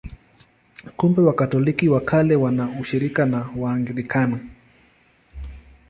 Kumbe Wakatoliki wa Kale wana ushirika na Waanglikana.